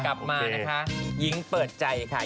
กลับมานะคะ